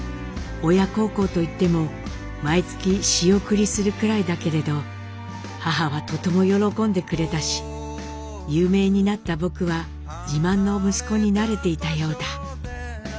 親孝行といっても毎月仕送りするくらいだけれど母はとても喜んでくれたし有名になった僕は自慢の息子になれていたようだ。